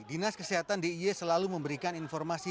dinas kesehatan dia selalu memberikan informasi